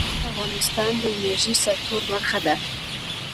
کابل د افغانستان د انرژۍ سکتور برخه ده.